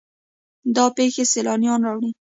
دا پیښې سیلانیان راوړي.